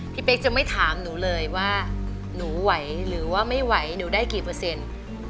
เป๊กจะไม่ถามหนูเลยว่าหนูไหวหรือว่าไม่ไหวหนูได้กี่เปอร์เซ็นต์